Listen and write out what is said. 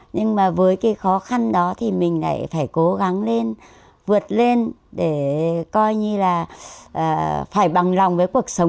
nhưng mà với cái khó khăn đó thì mình lại phải cố gắng lên vượt lên để coi như là phải bằng lòng với cuộc sống